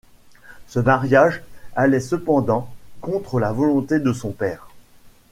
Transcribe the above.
Ce mariage allait cependant contre la volonté de son père.